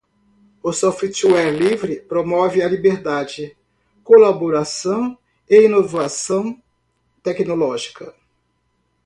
O software livre promove liberdade, colaboração e inovação tecnológica.